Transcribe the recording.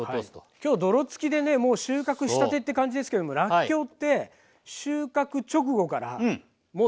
きょう泥付きでねもう収穫したてって感じですけどもらっきょうって収穫直後からもうずっと成長してるんですよ。